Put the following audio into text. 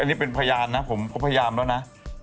อันนี้เป็นพยานนะผมก็พยายามแล้วนะ